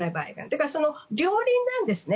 だから、両輪なんですね。